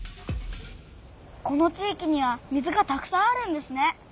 この地いきには水がたくさんあるんですね。